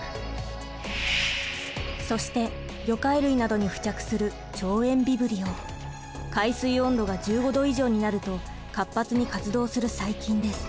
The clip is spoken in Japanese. そして魚介類などに付着する海水温度が１５度以上になると活発に活動する細菌です。